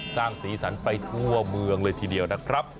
สร้างสีสันไปทั่วเมืองเลยทีเดียวนะครับ